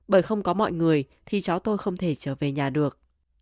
bởi không có mọi người thì cháu tôi không thể trở về nhà được